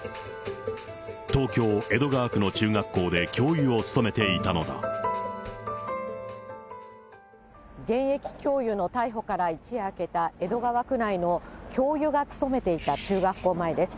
東京・江戸川区の中学校で教諭を現役教諭の逮捕から一夜明けた、江戸川区内の、教諭が勤めていた中学校前です。